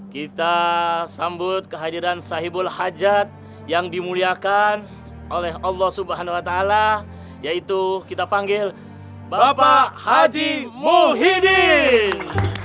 kita sambut kehadiran sahibul hajat yang dimuliakan oleh allah swt yaitu kita panggil bapak haji muhyiddin